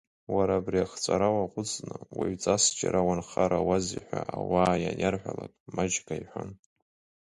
Уара абри ахҵәара уакәыҵны уаҩҵас џьара унхарауазеи хәа ауаа ианиарҳәалакь, Маџьга иҳәон…